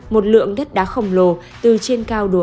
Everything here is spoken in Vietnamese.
một lượng đất đá khổng lồ từ trên cao đùa